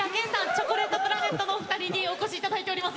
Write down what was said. チョコレートプラネットのお二人にお越し頂いております。